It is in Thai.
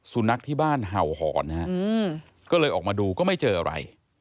สุนัขที่บ้านเห่าหอนนะฮะก็เลยออกมาดูก็ไม่เจออะไร